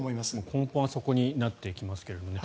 根本はそこになってきますね。